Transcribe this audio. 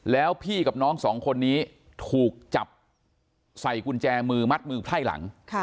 แล้วพี่กับน้องสองคนนี้ถูกจับใส่กุญแจมือมัดมือไพร่หลัง